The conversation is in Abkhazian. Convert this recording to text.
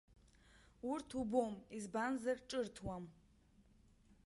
Урҭ убом, избанзар ҿырҭуам.